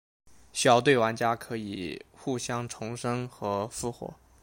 小队玩家可以互相重生和复活。